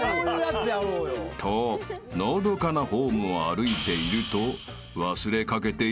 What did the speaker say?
［とのどかなホームを歩いていると］